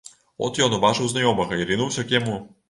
От ён убачыў знаёмага і рынуўся к яму.